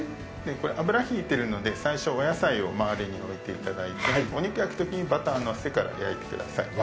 油引いてるので、最初、お野菜を回りに置いていただいてお肉焼くときにバターのせてから焼いてください。